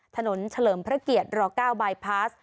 เฉลิมพระเกียรติร๙บายพาส